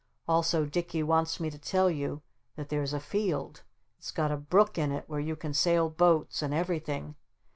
Also Dicky wants me to tell you that there's a field. It's got a brook in it where you can sail boats and everything.